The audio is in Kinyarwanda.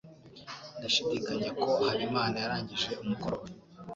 Ndashidikanya ko Habimana yarangije umukoro we.